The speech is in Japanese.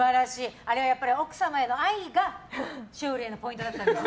あれは奥様への愛が勝利へのポイントだったんですね。